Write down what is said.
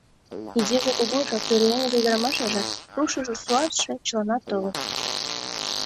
Изиже-кугужо, пӧръеҥже-ӱдырамашыже, рушыжо-суасше — чыланат толыт.